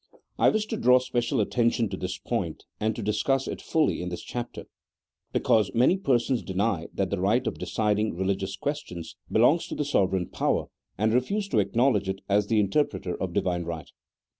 I wish to draw special attention to this point, and to discuss it fully in this chapter, because many persons deny that the right of deciding religious questions belongs to the sovereign power, and refuse to acknowledge it as the inter preter of Divine right.